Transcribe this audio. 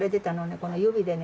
この指でね